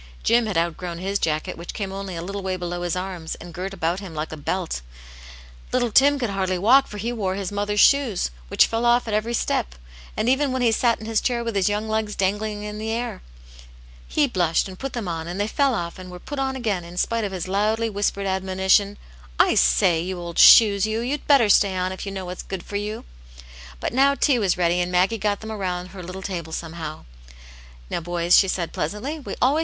Jim had outgrown his jacket, which came only a little way below his arms, and girt him about Uk^ a belt Little Tim could harA\v >Ni»?:^ Vix V^ ^^^^ I 134 A wit feme's Hero, his mother's shoes, wjiich fell off at every step, and even when he sat in his chair with his young legs dangling in the air ; he blushed, and put them on, and they fell off, and were put on again, in spite of Jiis loudly whispered admonition, " I say, you old shoes you, you'd better stay on, if you know what's good for you." .^•,. But now tea was ready, and Maggie got theni arotind her little table somehow. '* Now, boys," she said, pleasantly, " we always